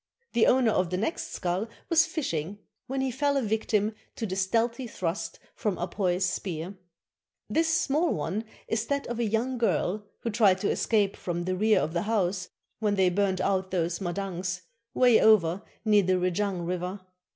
The owner of the next skull was fishing when he fell a victim to a stealthy thrust from Apoi's spear. This small one is that of a young girl who tried to escape from the rear 56s ISLANDS OF THE PACIFIC of a house when they burned out those Madangs, way over near the Rejang River.